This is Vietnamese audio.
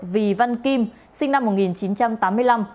vì văn kim sinh năm một nghìn chín trăm tám mươi năm